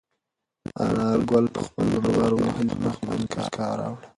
انارګل په خپل لمر وهلي مخ باندې موسکا راوړه.